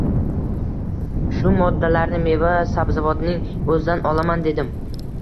Shu moddalarni meva-sabzavotning o'zidan olaman dedim.